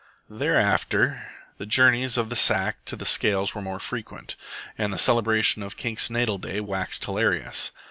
Thereafter the journeys of the sack to the scales were more frequent, and the celebration of Kink's natal day waxed hilarious.